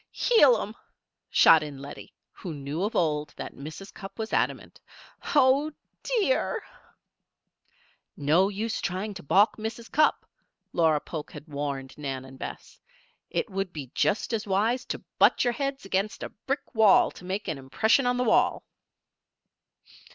"Heel 'em!" shot in Lettie, who knew of old that Mrs. Cupp was adamant. "Oh, dear!" "No use trying to balk Mrs. Cupp," Laura Polk had warned Nan and Bess. "It would be just as wise to butt your heads against a brick wall to make an impression on the wall!"